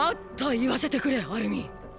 言わせてくれアルミン。